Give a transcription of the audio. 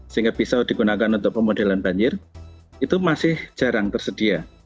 sehingga pisau digunakan untuk pemodelan banjir itu masih jarang tersedia